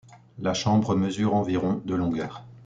La chambre mesure environ de longueur.